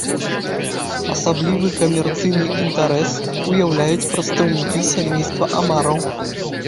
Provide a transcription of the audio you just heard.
Асаблівы камерцыйны інтарэс уяўляюць прадстаўнікі сямейства амараў.